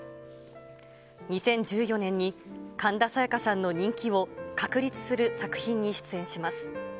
２０１４年に神田沙也加さんの人気を確立する作品に出演します。